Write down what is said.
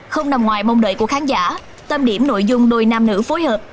không nằm ngoài mong đợi của khán giả tâm điểm nội dung đôi nam nữ phối hợp